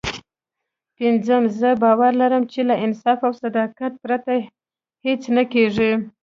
پينځم زه باور لرم چې له انصاف او صداقت پرته هېڅ نه کېږي.